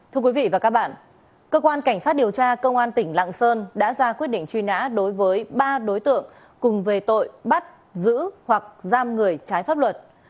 thưa quý vị và các bạn cơ quan cảnh sát điều tra công an tỉnh lạng sơn đã ra quyết định truy nã đối với ba đối tượng cùng về tội bắt giữ hoặc giam người trái pháp luật